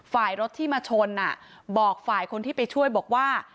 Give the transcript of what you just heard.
ฝ่ายรถที่มาชนบอกฝ่ายคนที่ไปช่วยบอกว่า